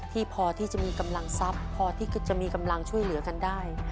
ที่พอที่จะมีกำลังทรัพย์พอที่จะมีกำลังช่วยเหลือกันได้